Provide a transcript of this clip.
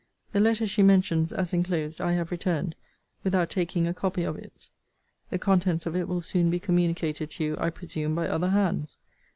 The letter she mentions, as enclosed,* I have returned, without taking a copy of it. The contents of it will soon be communicated to you, I presume, by other hands.